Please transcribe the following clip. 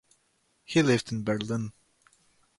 He lived in Berlin.